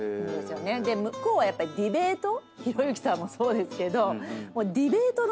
で向こうはディベートひろゆきさんもそうですけど。